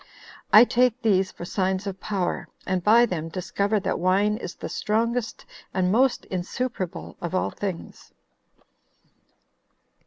I take these for signs of power, and by them discover that wine is the strongest and most insuperable of all things."